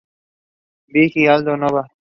Big y Aldo Nova.